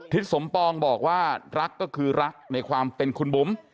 สมปองบอกว่ารักก็คือรักในความเป็นคุณบุ๋ม